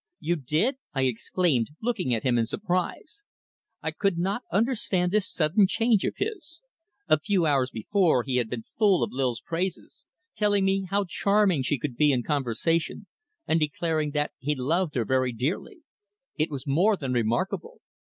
"You did!" I exclaimed, looking at him in surprise. I could not understand this sudden change of his. A few hours before he had been full of Lil's praises, telling me how charming she could be in conversation, and declaring that he loved her very dearly. It was more than remarkable.